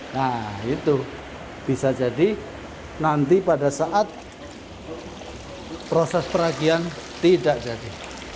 nah itu bisa jadi nanti pada saat proses peragian tidak jadi